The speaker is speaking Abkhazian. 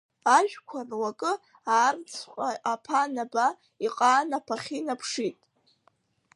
Ажәхьақәа руакы аарцәҟа аԥа анаба, иҟаан аԥахьы инаԥшит.